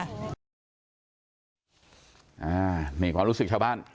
อ่านี่ความรู้สึกชาวบ้าน